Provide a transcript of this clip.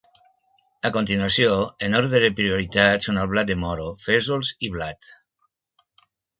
A continuació, en ordre de prioritat són el blat de moro, fesols i blat.